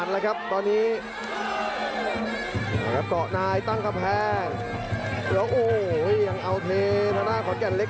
ไม่มีหลวนล่ะครับขอดแก่นเล็ก